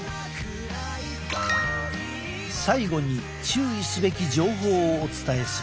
最後に注意すべき情報をお伝えする。